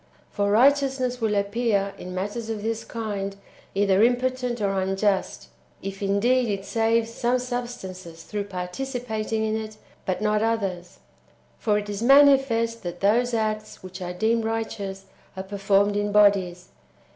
For righteousness will appear, in matters of this kind, either impotent or unjust, if indeed it saves some substances through participating in it, but not others» 2. For it is manifest that those acts which are deemed righteous are performed in bodies.